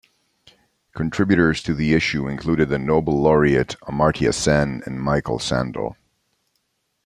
Contributors to the issue included the Nobel laureate Amartya Sen and Michael Sandel.